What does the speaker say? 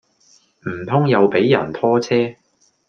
唔通又俾人拖車